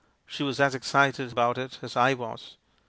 She was as excited about it as I was.